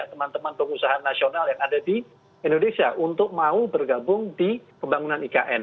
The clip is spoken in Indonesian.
teman teman pengusaha nasional yang ada di indonesia untuk mau bergabung di pembangunan ikn